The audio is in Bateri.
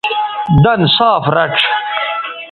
دَن صاف رَڇھ